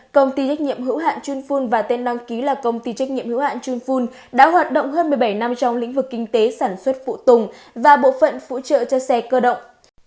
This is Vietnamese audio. công ty trách nhiệm hữu hạn chuyên phun và tên đăng ký là công ty trách nhiệm hữu hạn chun ful đã hoạt động hơn một mươi bảy năm trong lĩnh vực kinh tế sản xuất phụ tùng và bộ phận phụ trợ cho xe cơ động